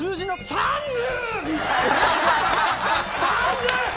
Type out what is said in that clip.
３０！